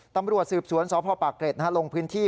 ตำรวจสืบสวนสพปากเกร็ดลงพื้นที่